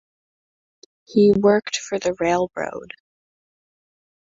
He worked for the railroad.